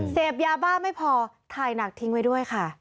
เสพยาบ้าไม่พอถ่ายหนักทิ้งไว้ด้วยค่ะ